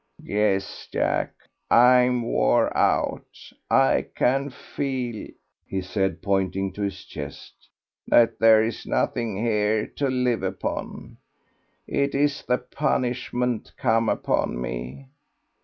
"Yes, Jack; I'm wore out. I can feel," he said, pointing to his chest, "that there is nothing here to live upon.... It is the punishment come upon me."